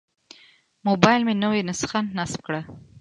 موبایل مې نوې نسخه نصب کړه.